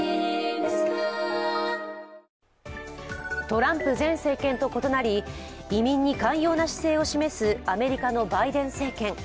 トランプ前政権と異なり移民に寛容な姿勢を示すアメリカのバイデン政権。